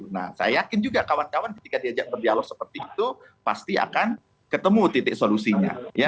nah saya yakin juga kawan kawan ketika diajak berdialog seperti itu pasti akan ketemu titik solusinya